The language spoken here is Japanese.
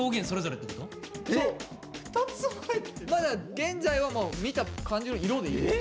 現在はもう見た感じの色でいい。